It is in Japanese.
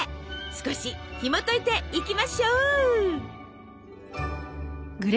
少しひもといていきましょう！